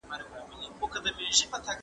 نړۍ ستاسو استعداد ته اړتیا لري.